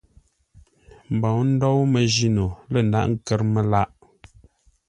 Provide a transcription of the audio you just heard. Mbǒu ndǒu məjíno lə ndàghʼ kə́r məlâʼ.